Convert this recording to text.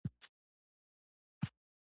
د پروګرامینګ اصول زدهکړه وخت ته اړتیا لري.